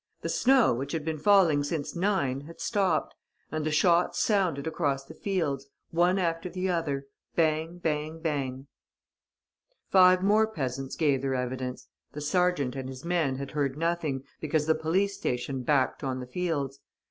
The snow, which had been falling since nine, had stopped ... and the shots sounded across the fields, one after the other: bang, bang, bang." Five more peasants gave their evidence. The sergeant and his men had heard nothing, because the police station backed on the fields.